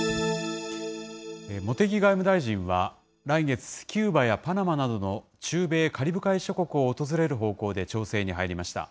茂木外務大臣は来月、キューバやパナマなどの中米カリブ海諸国を訪れる方向で調整に入りました。